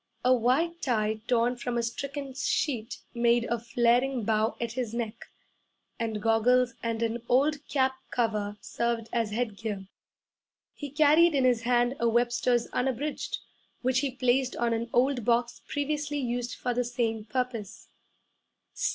A white tie torn from a stricken sheet made a flaring bow at his neck, and goggles and an old cap cover served as headgear. He carried in his hand a Webster's Unabridged, which he placed on an old box previously used for the same purpose.